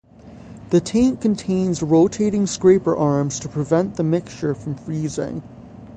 The tank contains rotating scraper arms to prevent the mixture from freezing.